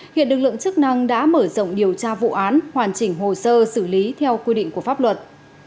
hiện lực lượng chức năng đã mở rộng điều tra vụ án hoàn chỉnh hồ sơ xử lý theo quy định của pháp luật